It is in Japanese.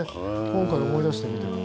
今回、思い出してみても。